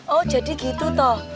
oh jadi gitu toh